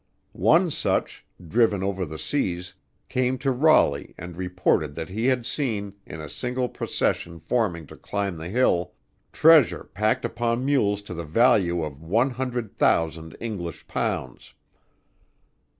One such, driven over the seas, came to Raleigh and reported that he had seen, in a single procession forming to climb the hill, treasure packed upon mules to the value of one hundred thousand English pounds.